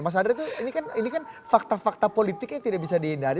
mas andre itu kan fakta fakta politiknya tidak bisa dihindari